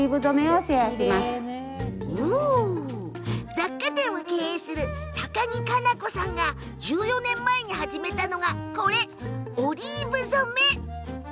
雑貨店を経営する高木加奈子さんが１４年前に始めたのがオリーブ染め。